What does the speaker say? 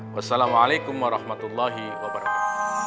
wassalamualaikum warahmatullahi wabarakatuh